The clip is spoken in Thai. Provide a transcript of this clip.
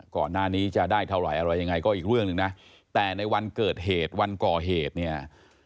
ก่อนหน้านี้จะได้เท่าไหร่อะไรยังไงก็อีกเรื่องหนึ่งนะแต่ในวันเกิดเหตุวันก่อเหตุเนี่ย